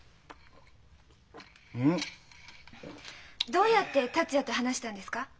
どうやって達也と話したんですか？